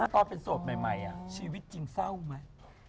ตอนเป็นศพใหม่ชีวิตจริงเศร้าไหม